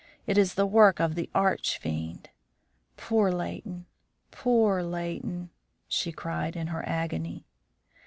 It is the work of the arch fiend. Poor Leighton! poor Leighton!" she cried in her agony.